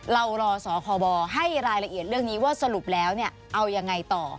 รอสคบให้รายละเอียดเรื่องนี้ว่าสรุปแล้วเอายังไงต่อ